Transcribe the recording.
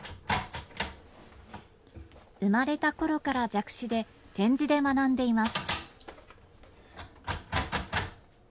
生まれたころから弱視で、点字で学んでいます。